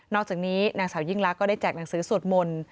อกจากนี้นางสาวยิ่งลักษณ์ได้แจกหนังสือสวดมนต์